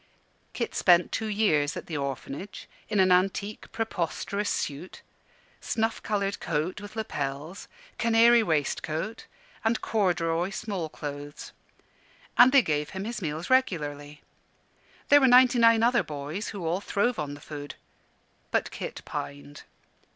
Kit spent two years at the Orphanage in an antique, preposterous suit snuff coloured coat with lappels, canary waistcoat, and corduroy small clothes. And they gave him his meals regularly. There were ninety nine other boys who all throve on the food: but Kit pined.